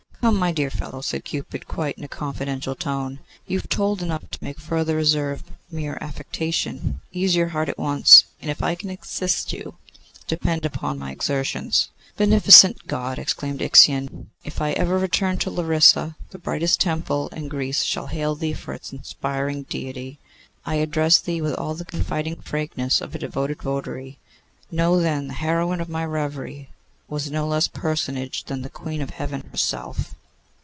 'Come, my dear fellow,' said Cupid, quite in a confidential tone, 'you have told enough to make further reserve mere affectation. Ease your heart at once, and if I can assist you, depend upon my exertions.' 'Beneficent God!' exclaimed Ixion, 'if I ever return to Larissa, the brightest temple in Greece shall hail thee for its inspiring deity. I address thee with all the confiding frankness of a devoted votary. Know, then, the heroine of my reverie was no less a personage than the Queen of Heaven herself!